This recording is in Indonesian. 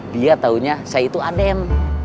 dia taunya saya itu adem